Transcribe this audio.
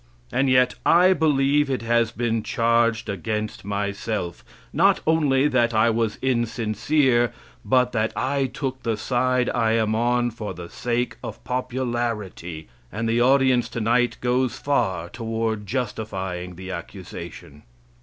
And yet I believe it has been charged against myself, not only that I was insincere, but that I took the side I am on for the sake of popularity; and the audience tonight goes far toward justifying the accusation.